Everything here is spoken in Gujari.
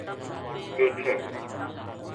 دیکھے